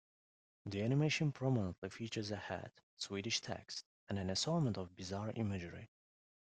The animation prominently features a hat, Swedish text, and an assortment of bizarre imagery.